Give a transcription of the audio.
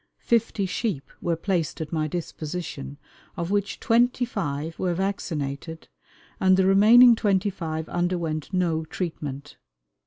Fifty sheep were placed at my disposition, of which twenty five were vaccinated, and the remaining twenty five underwent no treatment.